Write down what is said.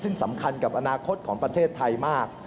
ซึ่งสำคัญกับอนาคตของประเทศไทยมาก